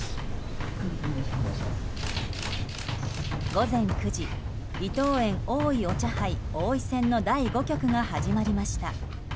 午前９時伊藤園おいお茶杯王位戦の第５局が始まりました。